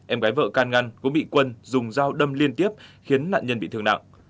em gái vợ can ngăn cũng bị quân dùng dao đâm liên tiếp khiến nạn nhân bị thương nặng